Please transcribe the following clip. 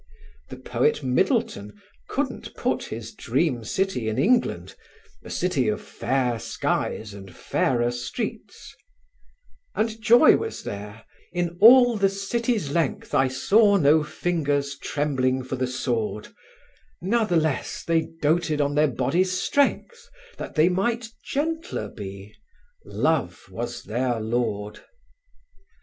The poet Middleton couldn't put his dream city in England a city of fair skies and fairer streets: And joy was there; in all the city's length I saw no fingers trembling for the sword; Nathless they doted on their bodies' strength, That they might gentler be. Love was their lord.